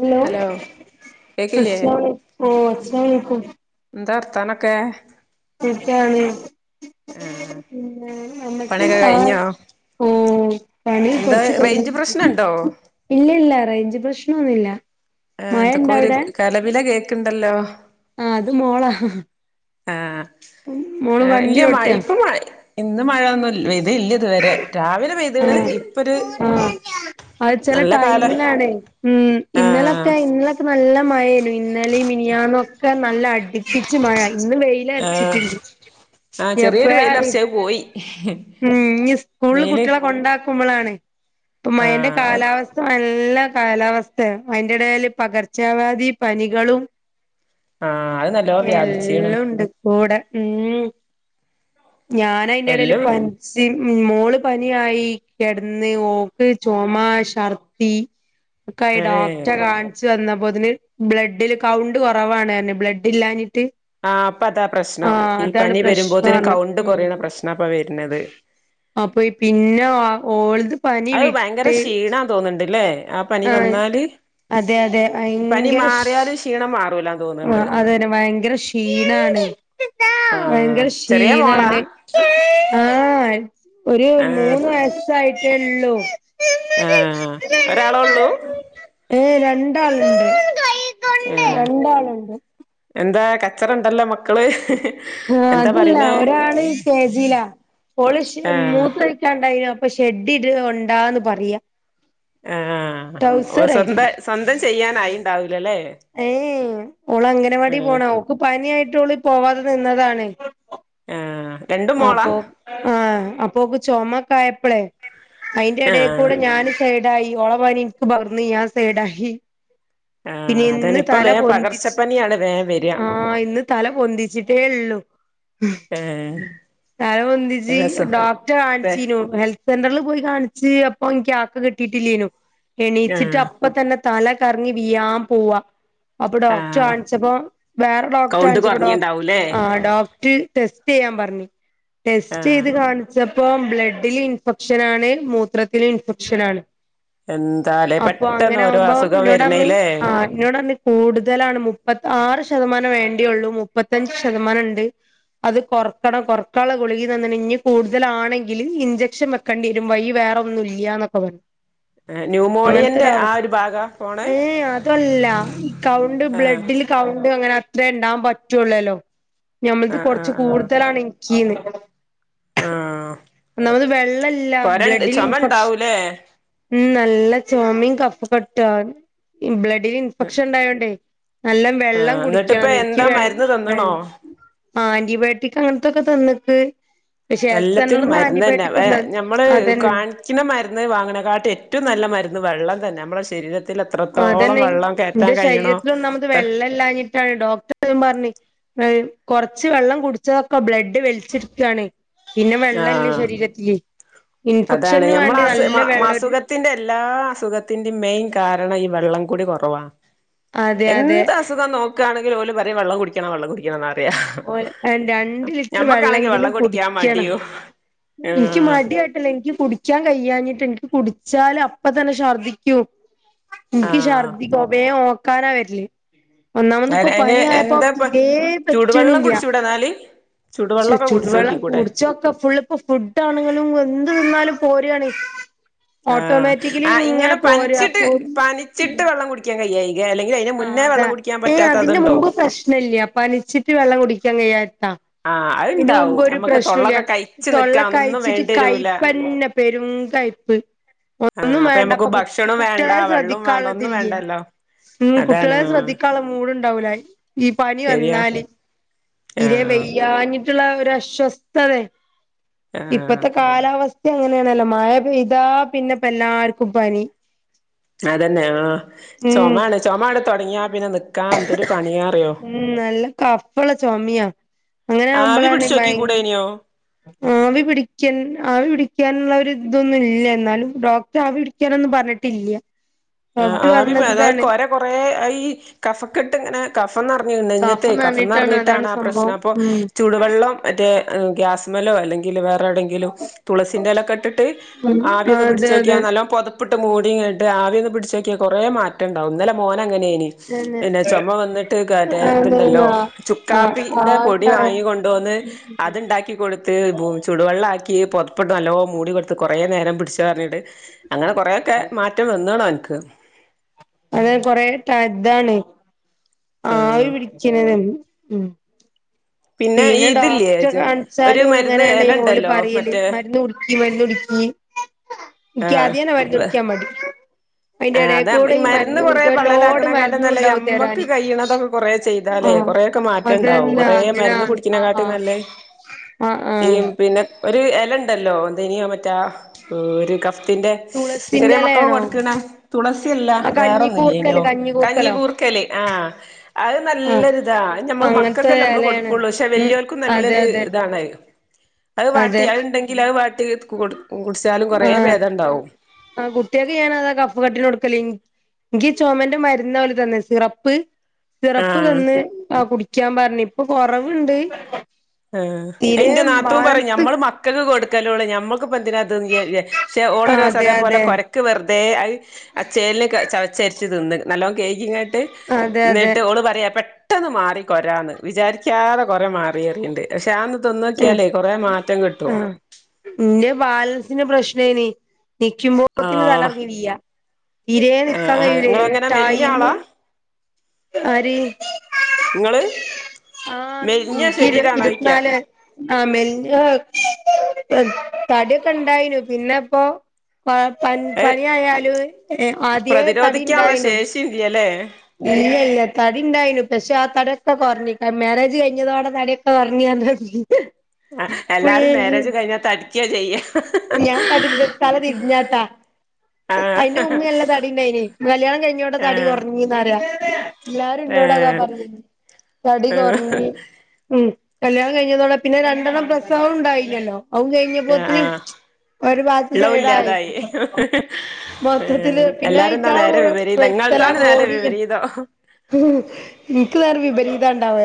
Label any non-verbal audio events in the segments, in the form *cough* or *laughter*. Hello കേക്കില്ലേ അസ്സലാമു അലൈകും. എന്താ വർത്താനൊക്കെ. ക്കാണ് പിന്നെ നമ്മക്ക് പണിയൊക്കെ ആഹ് കഴിഞ്ഞോ ഓ പണി എന്താ കൊറച്ച് റേഞ്ച് കഴിഞ്ഞിട്ടുണ്ട്. പ്രശ്നണ്ടോ ഇല്ല ല്ല റേഞ്ച് പ്രശ്നൊന്നുല്ല ആഹ് മഴ ഇണ്ട എന്തൊക്കോ ഒരു അവിടെ കലപില കേക്കുണ്ടല്ലോ. ആ അത് മോളാ ആഹ് മോള് ആഹ് ഇല്ല വണ്ടി മഴ ഓട്ടാ ഇപ്പൊ മഴ ഇന്ന് മഴൊന്നും ല്ല ഇതുവരെ രാവിലെ പെയ്ത്ണ് ഇപ്പൊരു ആഹ് ആഹ് അത് ചെല നല്ല കാല ടൈമിലാണ്. ഉമ് ആ ഇന്നലൊക്കെ ഇന്നലൊക്കെ നല്ല മഴേനു ഇന്നലിം മിനിയാന്നും ഒക്കെ നല്ല അടി പ്പിച്ചു മഴ. ഇന്ന് വെയില ആ അർച്ചിട്ടു ആ ചെറിയൊരു ഞിപ്പഴാ അറി വെയിലർച്ച് *inaudible* ഉം നി സ്കൂള്ല് വെയില് കുട്ട്യോളെ കൊണ്ടാക്കുമ്പളാണ് ഇപ്പ ആ മയന്റെ കാലാവസ്ഥ നല്ല കാലാവസ്ഥയാ അയിന്റെ ഇടയില് പകർച്ച വ്യധി പനികളും ആ അത് നല്ലോ വ്യാപിച്ചീണ് എല്ലുണ്ട് കൂടെ ഉം... ഞാനയിന്റെടേൽ എല്ലും പന്ച്ച് സിന് മോള് പനിയായി കെടന്ന് ഓക്ക് ചുമാ ശർദി ക്കായി ഏ ഡോക്റ്റകാണി വന്നപ്പോത്തിന് ബ്ലഡില് കൗണ്ട് കുറവാണ്റ്ഞ് ബ്ലഡില്ലാഞ്ഞിട്ട് ആ പ്പ താ പ്രശ്നം ഈ പനി പ്രശ്നം വരുമ്പോത്തിന് പറഞ്ഞു കൗണ്ട് കുറയ്ണ പ്രശ്നാപ്പ വര്ണത് അപ്പൊയി പിന്നാ ഓൽത് അത് ഭയങ്കര ക്ഷീണാ തോന്ന്ണ്ടില്ലേ.. ആഹ് പനി വന്നാല്, അതെ അതെ പനി മാറിയാല് ക്ഷീണം മാറൂല ആഹ് അതന്നെ വയങ്കര ക്ഷീണാണ് ആഹ് വയങ്കര ചെറിയ മോളാ ക്ഷീണാണ് ആഹ് ഒരു ആഹ് മൂന്ന് വയസ്സായിട്ടൊള്ളു ആഹ് ഒരാളൊ ള്ളൂ ഏയ്‌ ഏയ്‌. രണ്ടാള്ണ്ട് ആഹ്.. എന്താ കച്ചറണ്ടല്ലോ മക്കള് ആ എന്താ അതല്ല പറയണേ ഒരാള് കെജിലാ ഓൾ ശ് ആഹ് മൂത്രയ്ച്ച് ക്കാനിണ്ടായിന് അപ്പൊ ഷെഡി ഇട്ണ് ണ്ടാന്ന് പറയാ ആഹ് ഓ ടൗസറേ സ്വന്ത സ്വന്തം ചെയ്യാനായിണ്ടാവൂല ല്ലേ? ഏയ് ഓളങ്കണവാടി പോണ ഓക്ക് പനി യായിട്ടോള് പോവാതെ നിന്നതാണ് ആഹ് രണ്ടും മോളാ അപ്പോ ആഹ് അപ്പോക്ക് ചൊമക്കായപ്പലേയ് ആഹ് അയിന്റെടേക്കൂടെ ഞൻ സൈഡായി ഓള പനി ഇൻക്ക് പകർന്ന് ഞാൻ സൈഡായി ആഹ് പിന്നെ അതാണ് ഇന്ന് ഇപ്പ തല വേ പൊന്തിച്ച് പകർച്ചപ്പനിയാണ് വേം വെര ആ ഇന്ന് തല പൊന്തിച്ചിട്ടേ ള്ളൂ ഏഹ് തല പൊന്തിച്ച് രസം ഡോക്ട്ടെ പെ കാണ്ച്ചീന്നു ഹെ സെൻ്റർൽ പോയി കാണ്ച്ച് അപ്പൊ ഇൻക്ക് ആപ്പ് കിട്ടിട്ടില്ലെഞ്ഞു എണീച്ചിട്ട് ആഹ് അ ഇപ്പൊതന്നെ തലകറങ്ങി വീഴാൻ പോവാ അപ്പൊ ആഹ് ഡോക്ടറെകാണിച്ചപ്പോ വേറെ കൗണ്ട് ഡോക്ടറെകാണിച്ചപ്പൊ ഡോ കൊറഞ്ഞിണ്ടാവൂലേ ആ ഡോക്ട്ർടെസ് ചെയ്യാൻ പറഞ് ടെസ്റ്റ് ആഹ് യ്ത് കാൺ ച്ചപ്പോ ബ്ലെഡിൽ ഇൻഫെക്ഷനാണ് മൂത്രത്തിൽ ഇൻഫെക്ഷനാണ് എന്താലേ അപ്പൊ പെട്ടെന്ന് ഓരോ അങ്ങനാവുമ്പോ അസുഖം ഇഞ്ഞോടർഞ് വരണേല്ലേ ആ എന്നോടർഞ്ഞ് കൂടുതലാണ് മുപ്പതത്താറ് ശതമാനം വേണ്ടിയുള്ളൂ മുപ്പത്തഞ്ച് ശതമാനണ്ട്. അത് കൊറക്കണം കൊറക്കാനുള്ള ഗുളികീം തന്നിന് ഇനി കൂടുതലാണെങ്കിൽ ഇഞ്ചെക്ഷൻ വെ ക്കണ്ടിരുംവയ്യി വേറൊന്നും ഇല്ലൃന്നൊക്കെ പറ ന്യൂമോണിയന്റെ ആ ഒരു ഭാഗാ പോണേ അങ്ങനത്തൊരവസ്ഴഏ അതല്ലാ കൗണ്ട് ആഹ് ബ്ലെഡിൽ കൗണ്ട് അങ്ങനെ അത്രേണ്ടാവാൻ പറ്റൊള്ളല്ലോ ഞമ്മൾത് ആഹ് കൊറ് ആഹ് ആഹ് അതാണെനിക്കീന്ന് ആഹ് *unintelligible* ഒന്നാമത് വെള്ളല്ലാ കൊരണ്ട് ബ്ലെഡിൽ ചൊമ ഇൻഫെക്ഷൻ ഇണ്ടാവൂലേ മ് നല്ല ചൊമീം, കഫക്കട്ടാ ബ്ലഡില് ഇൻഫെക്ഷൻ ഉണ്ടായോണ്ടേ. നല്ലോ വെള്ളം ആഹ് എന്നിട്ടിപ്പ കുടിക്കൃന്ന് ഇൻക്ക് എന്താ വെള് മരുന്ന് വെള് തന്ന്ണോ ആന്റിബയോട്ടിക് അങ്ങനത്തൊക്കെ തന്നിക്ക്. എല്ലത്തിനും മര്ന്നനേ വെ ഞമ്മള് അതന്നെ കാൺ ചിലമരുന്ന് വാങ്ങുണേക്കാട്ടിഏറ്റം നല്ല മരുന്ന് വെള്ളം തന്നെമ്മളെ ശരീരത്തി അതെന്നെ ഇന്റെ ശരീരത്തിലൊന്നാമത് അത്ര വെള്ളല്ലാഞ്ഞിട്ടാണ് ഡോക്ടർ അതേപറഞ്ഞ് *unintelligible* കൊറച്ച് വെള്ളം കുടിച്ചതൊക്കെ ബ്ലെഡ് വലിചിട്ക്കാണെയ് പിന്നെ വെള്ളല്ലേ ആഹ് ശരീരത്തില് ഇൻഫെക്ഷന് വേണ്ടി നല്ല വെള്ളരു തിൻ്റെ എല്ലാ അസുഖത്തിന്റിം മെയിൻ കാരണം ഈ വെള്ളം കുടി കൊറവാ അതെ അതെ എന്ത് അസുഖം നോക്കുകയാണെങ്കിൽ ഓല വരെ വെള്ളം കുടിക്ക ക്ക വെള്ളം കുടിക്കണന്നറിയ രണ്ട് ലിറ്റർ ഞമ്മക്കാണെങ്കിൽ വെള്ളം കുടിക്കാ മടിയോ ഇങ്ങ്ക്ക് മടി എനിക്ക് കുടിക്കാൻ കഴിയഞ്ഞിട്ട് എനിക്ക് കുടിച്ചാല് അപ്പ തന്നെ ശഛർദ്ദിക്കൂ എനിക്ക് ആഹ് ഛർദ്ദി ഗോബയെ ഓക്കാനാ വരില്ലേ ഒന്നാമത് ഇപ്പൊ അയിന് പനിയായപ്പോ എന്താപ്പ ഇരേ ചൂടുവെള്ളം റ്റണില്ല. കുടിച്ചൂടെ എന്നാല് ച്ചു ചൂടുവെള്ളമൊക്കെ ചൂടുവെള്ളം കുടിച്ചോക്കിക്കൂടെ കുടിച്ചൊക്കെ ഫുള്ള് പ്പ *unintelligible* ആണെങ്കിലും എന്ത് തിന്നാലും പോരയാണേ ആഹ ആ് ഇങ്ങനെ പോരാ പനിച്ചിട്ട് അപ്പൊ പനിച്ചിട്ട് വെള്ളം കുടിക്കാൻ കഴായി അല്ലെങ്കിൽ അതിന് ആ മുന്നേ അതാ വെള്ളം കുടിക്കാൻ *unintelligible* പറ്റാത്ത അതിന്റെ അതുണ്ടോ മുമ്പ് പ്രശ്ന ഇല്ല. അപ്പൊ പനിച്ചിട്ട് വെള്ളം കുടിക്കാൻ കഴിയാത്താ. ആഹ് ഇതന് മുമ്പൊ അത്ണ്ടാവും ഒരു നമ്മക്ക് പ്രശ്നുല്ല. തൊള്ളൊക്കെ കഴിച്ചു തൊള്ള നിക്കാൻ ഒന്നും കയിച്ചിട്ട് വേണ്ടി വരൂല കയപ്പന്നെ. പെരും കയപ്പ് ആഹ് ഒന്നും അപ്പൊ വേണ്ടപ്പ നമുക്ക് ഭക്ഷണോം വേണ്ട കുട്ടികളെ വെള്ളോം വേണ്ട ഒന്നും ശ്രദ്ധിക്കാനുള്ളതില്ല വേണ്ടല്ലോ ഉം അതാണ് കുട്ടികളെ ആഹ് ശ്രദ്ധിക്കാനുള്ള മൂട് ഉണ്ടാവൂലായി. ഈ പനി ശരിയാ വന്നാല്, തീരെ ആഹ് വെയ്യാഞ്ഞിട്ടു, ട്ടുള്ള ഒരു അസ്വസ്ഥതെ. ആഹ് ഇപ്പത്തെ കാലാവസ് അങ്ങനെയാണല്ലോ മഴ പയ്യതാ പിന്നെപ്പ എല്ലാവർക്കും പനി അതന്നെ ആ. ഉം ചൊമാണ്, ചൊമാ അട് തുടങ്ങിയ പിന്നെ നിക്ക ഉം നല്ല കഫളള ചുമയാ. അങ്ങനെ ആവി ആവുമ്പോളാണ് ഭയ പിടിച്ചോക്കി കൂടേനിയോ ആ. ആവി പിടിക്കൻ ആവി പിടിക്കാനുള്ള ഒരു ഇതൊന്നും ഇല്ല. എന്നാലും ഡോക്ടർ ആവി പിടിക്കാനൊന്നും പറഞ്ഞിട്ടില്ല. *inaudible* പറഞ്ഞത് ഇതാണ് കൊറെ ഈ കഫക്കെട്ട് ഇങ്ങനെ. കഫ നിറഞ്ഞ് നെഞ്ചത്ത്. കഫംന്ന് കഫ പറഞ്ഞിട്ടാണ് അതാണ് നെറിഞ്ഞിട്ടാണ് ആ പ്രശ്നം. സംഭവം അപ്പോ ഉം ചുടു വെള്ളം മറ്റേ ഗ്യാസ് മലോ അല്ലെങ്കിൽ വേറെവിെങ്കിലും ലോ തുളസിന്റെലൊക്കെ ഇട്ടിട്ട്, ആവി ആ ഒന്ന് അതെ പിടിച്ച വക്കാ അതെ നല്ല പൊത ഉപ്പിട്ട് മൂടിങ്ങ ഇട്ട് ആവിൽ നിന്ന് പിടിച്ചൊക്കിയ കുറേ മാറ്റം ട്ട്ടുണ്ടാവും. ഇന്നലെ മോന അങ്ങനെനി. അതന്നെ പിന്നെ ചുമ വന്നിട്ട് ക റ്റെ ഇതുണ്ടല്ലോ. അതന്നാ ആ കാപ്പിന്റെ പൊടി ആടാണ് വാങ്ങി കൊണ്ടുവോന്ന്. അത്ണ്ടാക്കി കൊടു ബു ചുടുവെള്ളാക്കി പ പൊതപ്പിട്ട് നല്ലോ *unintelligible* കുറേ നേരം പിടിച്ച് പറഞ്ഞിട്ട്. അങ്ങനെ കുറേക്കെ മാറ്റം വന്നതണ എനിക്ക്. അത് കൊറെേ ഇതാണ് ആവി ആഹ് പിടിക്കുന്നത് ഉ ഈ പിന്നെ ഇതില്ലേ ഡോക്ടറെ ഒരു കാണിച്ചാലും ഇങ്ങന മരുന്ന് ന്നേണ് പോലും എലണ്ടല്ലോ പറയല്. മറ്റേ മരുന്ന് കുടി മരുന്ന് കുടിക്കി. ആഹ് ൻക്കാതന്നെ മരന്ന് വ് കുടിക്കാൻ മടി. അയിന്റെ ആഹ് എടെ അതാ കൂടെ ഈ മരുന്ന് കൊറേ കൊടുത്ത ഒരു ലോഡ മരുന്നു ഉണ്ടാവു തരാന്. കുറെ ചെയ്താലേ ആഹ് കൊറേക്കെ മാറ്റണ്ടാവും. അതെന്താ കുറേ അങ്ങനെ മരുന്ന് ആഹ് കുടിക്കുന്നെക്കാട്ടും ആഹ് നല്ലേ ആഹ് ഈ ആഹ് പിന്നെ ഒരു ഇല ഉണ്ടല്ലോ. എന്തനി മറ്റാ ഒരു കഫ് പിന്റെ ചെറിയ തുളസിന്റെ മക്ക എലയാണോ കൊടുക്കണ സമസ്യല്ല ആ കഞ്ഞി വേറൊന്നുല്യല്ലോ കൂർക്കല് ഇനോ കഞ്ഞി കൂർക്കലോ കൂർക്കല്ലേ ആ അത് ആഹ് നല്ലരു അത നമ്മൾ അങ്ങനത്തെ മക്കൊക്കെ നമ്മള് എലയാണ് കൊടുക്കുള്ളു പക്ഷെ ഉം വല്യവർക്ക അതെ നല്ലരു അതെ ഇത അത് വാട്ടി അതെ അതുണ്ടെങ്കിൽ അത് വാട്ടി കുടിച്ചാലും കുറേ ഭേദം ഉണ്ടാവും ആ് കുട്ടികക്ക് ഞാൻാതാ കഫ് കട്ടി കൊടുക്കല എനിക്ക് ചുമന്റെ മരുന്ന പോലെ തന്ന്‌ സിറപ്പ്. സിറപ്പ് ആഹ് തന്ന് ആഹാ കുടിക്കാൻ പറഞ്ഞ്, ഇപ്പോ കൊറവുണ്ട്. ഏഹ്. തീരെ എന്റെ നാത്തൂൻ പറയും ബാലൻസ് ഞമ്മള് മക്കൾക്ക് കൊടുക്കല്ലോണ്. ഞമ്മൾക്ക്പ്പ എന്തിന. തും *unintelligible* ആ ഓളോരിസം അതെ അതേപോലെ അതെ കൊര ഒക്കെ വെറുതെ ആ അച്ചേലിനെ ചവച്ചരിച്ച് തിന്ന് നല്ലോണം കേൾക്കിങ്ങായിട്ട് അതെ അതെ ന്നിട്ട് ഓള് പറയാ പെട്ടെന്ന് മാറി കൊരാന്ന്. വിചാരിക്കാതെ കൊറെ മാറിയന്ന്‌. പക്ഷെ ആന്ന് തിന്നോക്കിയാലേ കൊറെ മാറ്റം കിട്ടും. എന്റെ ബാലൻസിന് പ്രശ്നേനി. നിക്കുമ്പോത്തിന് ആഹ് തലറങ്ങി വീയാ, തീരെ ആഹ് നിക്കാൻ ആഹ് കഴിയൂല ഇങ്ങളെങ്ങനെ മെലിഞ്ഞ ടൈം. ആളാ ആര് ഇങ്ങള് ആഹാ മെലിഞ്ഞ എനിക്ക് ഇരു ശരീരാണോയ്ക്കാ ഇരുപത്തിനാല്. ആ മെലിഞ്ഞു, തടി ഒക്കെ ഇണ്ടായിനു പിന്നെപ്പോ- പ.. അത് പണി ആയാലും ആദ്യേ തടി പ്രതിരോധിക്കാനുള്ള ഇണ്ടായിനു. *unintelligible* ഇല്ല ഇല്ല തടി ഇണ്ടായിനു പക്ഷെ, ആ തടി ഒക്കെ കുറഞ്ഞ് മാരേജ് കഴിഞ്ഞതോടെ തടികൊറഞ്ഞു. ഉറങ്ങി *unintelligible* ആഹ് എല്ലാരും മാരേജ് കഴിഞ്ഞാ തടിക്കുവാ ചെയ്യാ ഞാൻ *unintelligible* തല തിരിഞ്ഞാട്ടാ. ആഹ് എന്റെ ഉമ്മി നല്ല തടിണ്ടായിന്, കല്യാണം കഴിഞ്ഞതോടെ തടി ആഹ് കുറഞ്ഞൂന്നാ പറയാ. എല്ലാരും ഇന്നോട് അതാ ഏഹ് പറയാ തടി കൊറഞ്ഞ് ഉം കല്യാണം കഴിഞ്ഞതോടെ പിന്നെ രണ്ടെണ്ണം പ്രസവം ഉണ്ടായില്ലല്ലോ, അതും കഴിഞ്ഞു. ആഹ് ആഹ് ഇളതും സൈഡായി ഇല്ലാതായി മൊത്തത്തില് പിന്നെ എല്ലാരും ന്താ ഇറ്റാളെ നേരെ കൂടെ വിപരീതാ ഇങ്ങൾത്താണ് നേരെ വിപരീതം എനിക്ക് നേരേ വിപരീതാണ്ടാവുക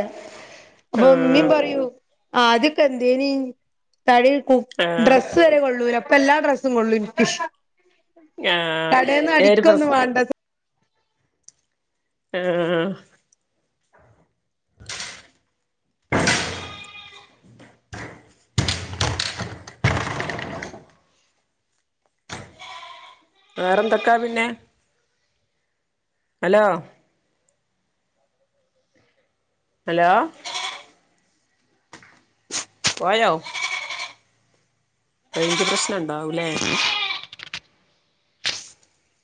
അപ്പൊ ഇമ്മീം ആഹ് പറയൂ ആദ്യക്കെ എന്തേനി തടി കു ആഹ് ഡ്രസ്സ്‌, വരെ കൊള്ളൂല പ്പോ എല്ലാ ഡ്രസ്സും കൊള്ളും എനിക്ക്. ആഹ് കടേന്ന് ഏത് പ്രസ് അടിക്കൊന്നും വേണ്ട- ആഹാ ആഹാ.. ! വേറെന്തൊക്കാ പിന്നെ. ഹലോ.. ! ഹലോ പോയോ? റേഞ്ച് പ്രശ്നം ഇണ്ടാവും ല്ലേ?